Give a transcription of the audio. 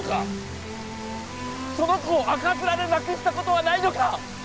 その子を赤面で亡くしたことはないのか！